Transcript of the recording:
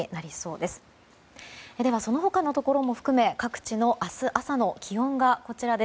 では、その他のところも含め各地の明日朝の気温がこちら。